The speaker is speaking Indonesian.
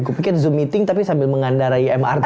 kupikir zoom meeting tapi sambil mengandarai mrt